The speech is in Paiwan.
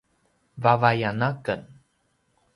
vavayan aken